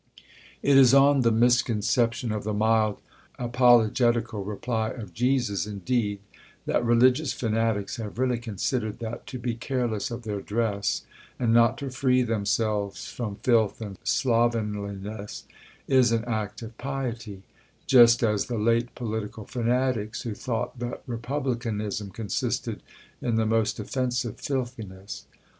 It is on the misconception of the mild apologetical reply of Jesus, indeed, that religious fanatics have really considered, that, to be careless of their dress, and not to free themselves from filth and slovenliness, is an act of piety; just as the late political fanatics, who thought that republicanism consisted in the most offensive filthiness.